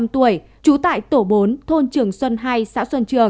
bốn mươi năm tuổi trú tại tổ bốn thôn trường xuân hai xã xuân trường